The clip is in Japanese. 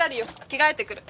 着替えてくる。